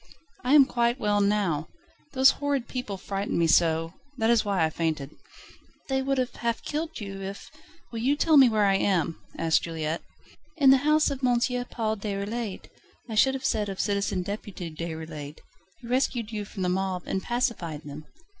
"I am quite well now. Those horrid people frightened me so, that is why I fainted." "They would have half killed you, if ..." "Will you tell me where I am?" asked Juliette. "In the house of M. Paul Déroulède I should have said of Citizen Deputy Déroulède. He rescued you from the mob, and pacified them.